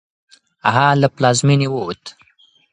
هغه له پلازمېنې ووت.